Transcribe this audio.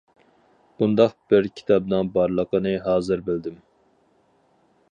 بۇنداق بىر كىتابنىڭ بارلىقىنى ھازىر بىلدىم.